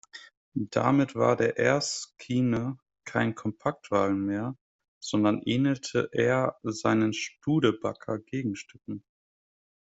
Damit war der Erskine kein Kompaktwagen mehr, sondern ähnelte eher seinen Studebaker-Gegenstücken.